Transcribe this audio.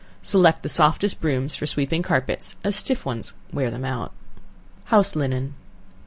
Select the softest brooms for sweeping carpets, as stiff ones wear them out. House Linen.